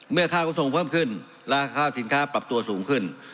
เมื่อค่าขนส่งเพิ่มขึ้นราคาสินค้าปรับตัวสูงขึ้น